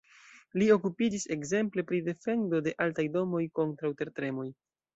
Li okupiĝis ekzemple pri defendo de altaj domoj kontraŭ tertremoj.